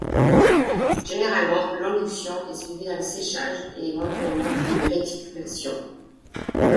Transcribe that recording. Généralement, l’enduction est suivie d'un séchage et éventuellement d'une réticulation.